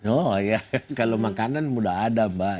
oh ya kalau makanan mudah ada mbak